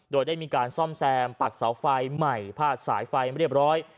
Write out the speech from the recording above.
โดยได้มีการซ่อมแซมปักเสาไฟใหม่พาดสายไฟเรียบร้อย